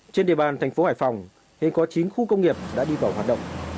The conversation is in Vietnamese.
trên địa bàn thành phố hải phòng hiện có chín khu công nghiệp đã đi vào hoạt động